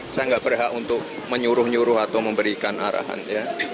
saya nggak berhak untuk menyuruh nyuruh atau memberikan arahan ya